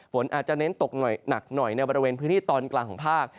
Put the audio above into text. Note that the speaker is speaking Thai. ฝนอาจจะเน้นตกหน่อยหนักหน่อยในบริเวณพื้นที่ตอนกลางของภาค